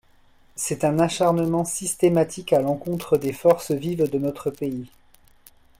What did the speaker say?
C’est un acharnement systématique à l’encontre des forces vives de notre pays.